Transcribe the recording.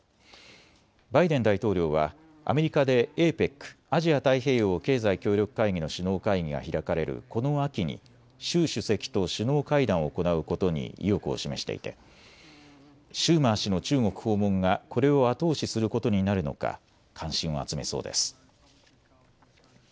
バイデン大統領はアメリカでＡＰＥＣ・アジア太平洋経済協力会議の首脳会議が開かれるこの秋に習主席と首脳会談を行うことに意欲を示していてシューマー氏の中国訪問がこれを後押しすることになるのか関心を集めそうです。